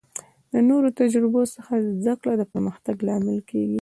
د نورو د تجربو څخه زده کړه د پرمختګ لامل کیږي.